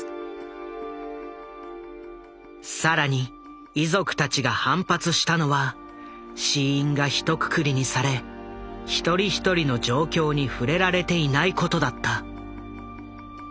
更に遺族たちが反発したのは死因が一くくりにされ一人一人の状況に触れられていないことだった。